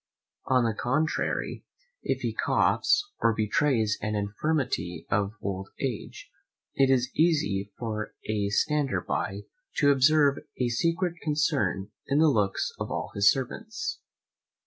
On the contrary, if he coughs, or betrays any infirmity of old age, it is easy for a stander by to observe a secret concern in the looks of all his servants.